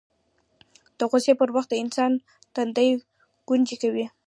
د غوسې پر وخت د انسان تندی ګونځې کوي